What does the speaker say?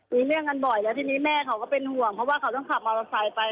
มีเรื่องกันบ่อยแล้วทีนี้แม่เขาก็เป็นห่วงเพราะว่าเขาต้องขับมอเตอร์ไซค์ไป